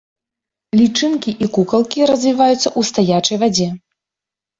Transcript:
Лічынкі і кукалкі развіваюцца ў стаячай вадзе.